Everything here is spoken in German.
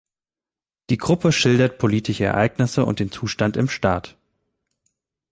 Die Gruppe schildert politische Ereignisse und den Zustand im Staat.